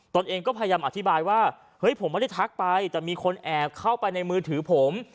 ตนเองก็พยายามอธิบายว่าเฮ้ยผมไม่ได้ทักไปแต่มีคนแอบเข้าไปในมือถือผม